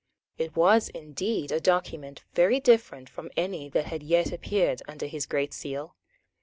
It was indeed a document very different from any that had yet appeared under his Great Seal.